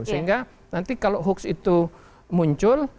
sehingga nanti kalau hoax itu muncul